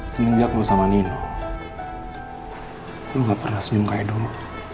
semenjak lo sama nino lo gak pernah senyum kayak dulu